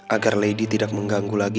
agar lady tidak mengganggu lagi